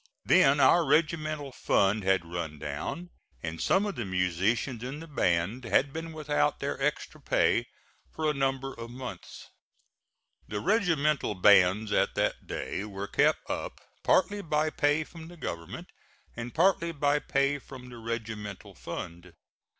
Then our regimental fund had run down and some of the musicians in the band had been without their extra pay for a number of months. The regimental bands at that day were kept up partly by pay from the government, and partly by pay from the regimental fund.